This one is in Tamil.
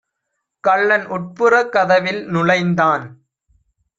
கள்ளன் உட்புறக் கதவில் நுழைந்தான்.